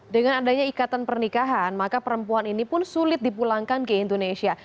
dengan adanya ikatan pernikahan maka perempuan ini pun sulit dipulangkan ke indonesia